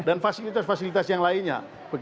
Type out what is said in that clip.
dan fasilitas fasilitas yang lainnya